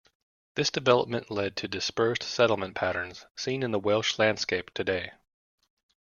This development led to dispersed settlement patterns seen in the Welsh landscape today.